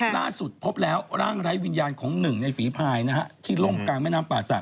ล่าสุดพบแล้วร่างไร้วิญญาณของ๑ในฝีภายที่ร่มกลางแม่น้ำป่าสัก